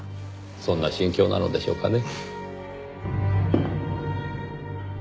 そんな心境なのでしょうかね。